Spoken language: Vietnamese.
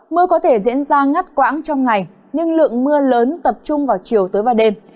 mưa có thể diễn ra ngắt quãng trong ngày nhưng lượng mưa lớn tập trung vào chiều tối và đêm